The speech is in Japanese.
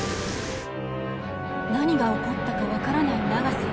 何が起こったか分からない永瀬。